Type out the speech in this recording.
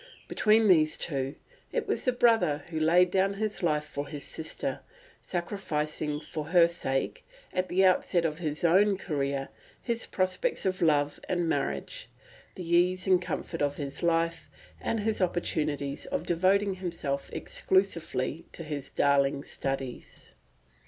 Between these two, it was the brother who laid down his life for his sister, sacrificing for her sake, at the outset of his own career, his prospects of love and marriage, the ease and comfort of his life, and his opportunities of devoting himself exclusively to his darling studies.